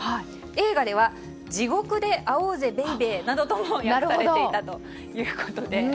映画では地獄で会おうぜベイべーとも訳されていたということです。